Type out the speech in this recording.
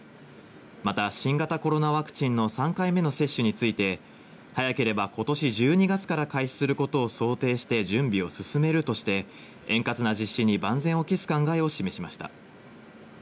また新型コロナワクチンの３回目の接種について、早ければ今年１２月から開始することを想定して準備を進めるとして、円滑な実施に万全を期す考えを示しました。